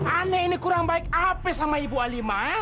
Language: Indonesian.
aneh ini kurang baik apa sama ibu alima